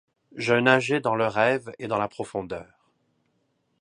Je nageais dans le rêve et dans la profondeur.